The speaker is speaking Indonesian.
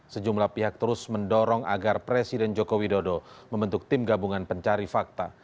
sejumlah pihak terus mendorong agar presiden joko widodo membentuk tim gabungan pencari fakta